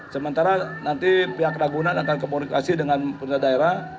sementara nanti pihak ragunan akan komunikasi dengan pemerintah daerah